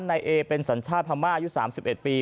นายเอเป็นสัญชาติพม่าอายุ๓๑ปี